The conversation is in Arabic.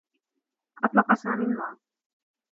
أطلق سامي النّار.